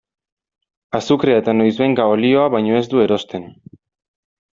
Azukrea eta noizbehinka olioa baino ez du erosten.